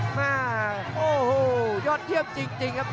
มาโอ้โหยอดเยี่ยมจริงครับ